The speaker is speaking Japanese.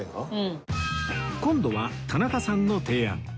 今度は田中さんの提案